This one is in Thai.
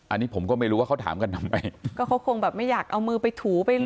อันนี้ผมก็ไม่รู้ว่าเขาถามกันทำไมก็เขาคงแบบไม่อยากเอามือไปถูไป